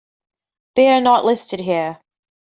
They are not listed here.